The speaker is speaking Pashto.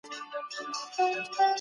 موږ لا هم د پروردګار پوروړي یو.